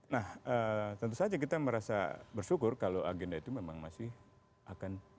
nah tentu saja kita merasa bersyukur kalau agenda itu memang masih akan